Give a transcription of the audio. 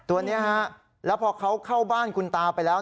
ตัวนี้ฮะแล้วพอเขาเข้าบ้านคุณตาไปแล้ว